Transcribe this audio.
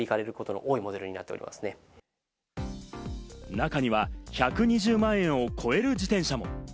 中には１２０万円を超える自転車も。